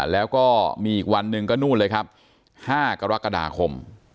แล้วก็มีอีกวันหนึ่งก็นู่นเลยครับ๕กรกฎาคม